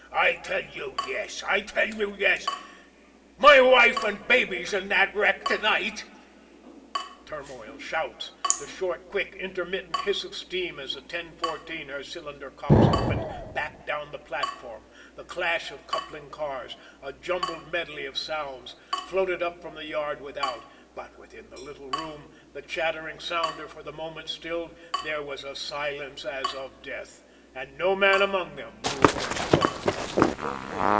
"I tell you, yes! I tell you, yes! My wife and baby's in that wreck to night?" Turmoil, shouts, the short, quick intermittent hiss of steam as the 1014, her cylinder cocks open, backed down to the platform, the clash of coupling cars, a jumbled medley of sounds, floated up from the yard without but within the little room, the chattering sounder for the moment stilled, there fell a silence as of death, and no man among them moved or spoke.